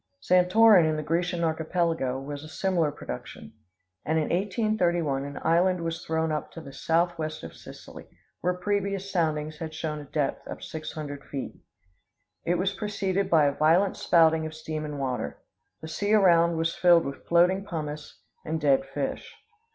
Santorin in the Grecian Archipelago is a similar production. And in 1831 an island was thrown up to the southwest of Sicily, where previous soundings had shown a depth of six hundred feet. It was preceded by a violent spouting of steam and water. The sea around was filled with floating pumice and dead fish.